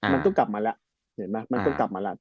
มันก็กลับมาละ